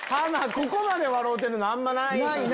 ここまで笑うてるのあんまない。